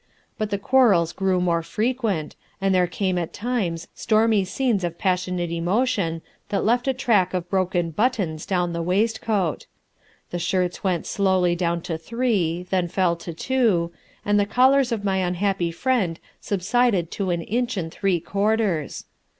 But the quarrels grew more frequent and there came at times stormy scenes of passionate emotion that left a track of broken buttons down the waistcoat. The shirts went slowly down to three, then fell to two, and the collars of my unhappy friend subsided to an inch and three quarters.